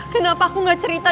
kenapa aku gak cerita